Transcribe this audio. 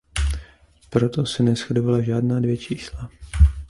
Proto se neshodovala žádná dvě čísla.